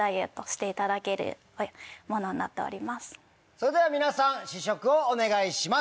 それでは皆さん試食をお願いします。